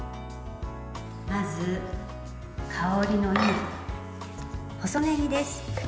まず、香りのいい細ねぎです。